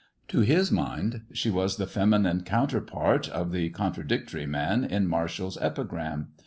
To his mind she was the feminine counterpart of the contradictory man in Martial's epigram.